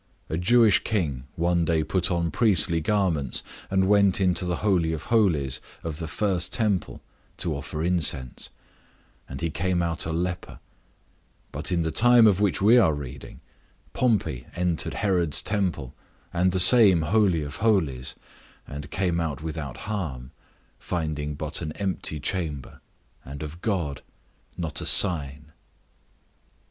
A Jewish king one day put on priestly garments, and went into the Holy of Holies of the first temple to offer incense, and he came out a leper; but in the time of which we are reading, Pompey entered Herod's temple and the same Holy of Holies, and came out without harm, finding but an empty chamber, and of God not a sign.